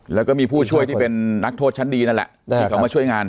แล้วก็มีผู้ช่วยที่เป็นนักโทษชั้นดีนั่นแหละที่เขามาช่วยงาน